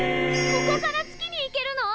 ここから月に行けるの！？